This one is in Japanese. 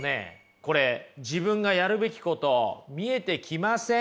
これ自分がやるべきこと見えてきません？